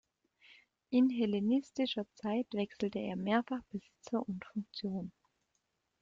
In hellenistischer Zeit wechselte er mehrfach Besitzer und Funktion.